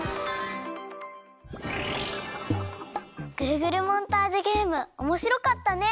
ぐるぐるモンタージュゲームおもしろかったね。